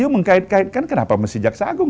mengkait kaitkan kenapa mesti jaksa agung